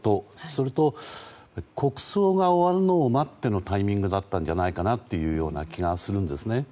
それと国葬が終わるのを待ってのタイミングだったんじゃないかという気がするんですよね。